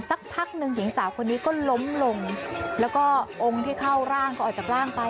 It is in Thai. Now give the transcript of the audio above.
สักพักหนึ่งหญิงสาวคนนี้ก็ล้มลงแล้วก็องค์ที่เข้าร่างก็ออกจากร่างไป